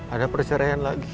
ada persaraian lagi